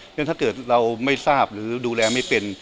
ฉะถ้าเกิดเราไม่ทราบหรือดูแลไม่เป็น